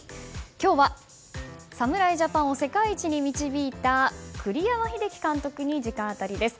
今日は侍ジャパンを世界一に導いた栗山英樹監督に直アタリです。